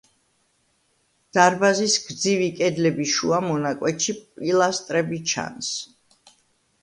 დარბაზის გრძივი კედლების შუა მონაკვეთში პილასტრები ჩანს.